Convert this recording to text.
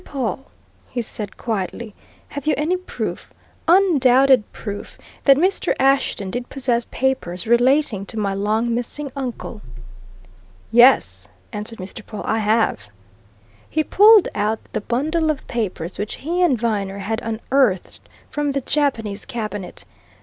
Pawle," he said quietly, "have you any proof undoubted proof that Mr. Ashton did possess papers relating to my long missing uncle?" "Yes," answered Mr. Pawle, "I have!" He pulled out the bundle of letters which he and Viner had unearthed from the Japanese cabinet.